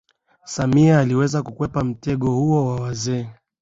Samia aliweza kukwepa mtego huo wa wazee